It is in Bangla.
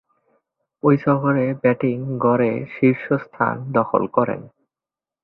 ঐ সফরে ব্যাটিং গড়ে শীর্ষ স্থান দখল করেন।